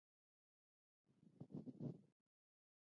افغانستان کې واوره د هنر په اثار کې منعکس کېږي.